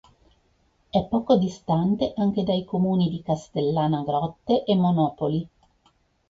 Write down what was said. È poco distante anche dai comuni di Castellana Grotte e Monopoli.